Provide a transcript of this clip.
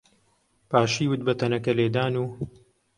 پاشیوت بە تەنەکەلێدان و